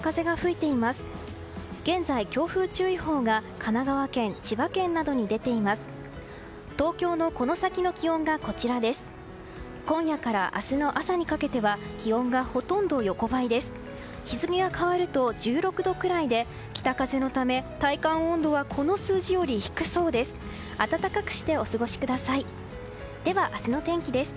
日付が変わると１６度くらいで北風のため、体感温度はこの数字より低そうです。